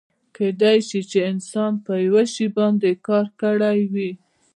کیدای شي چې انسان په یو شي باندې کار کړی وي.